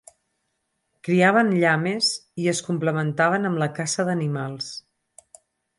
Criaven llames i es complementaven amb la caça d'animals.